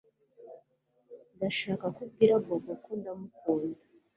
Ndashaka ko ubwira Bobo ko ndamukunda